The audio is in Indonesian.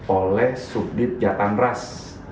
oleh sudit jatang ras